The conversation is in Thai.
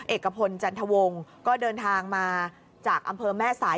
เอกพลจันทวงศ์ก็เดินทางมาจากอำเภอแม่สาย